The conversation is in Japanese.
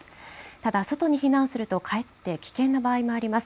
ただ、外に避難すると、かえって危険な場合もあります。